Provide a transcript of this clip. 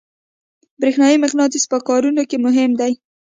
برېښنایي مقناطیس په کارونو کې مهم دی.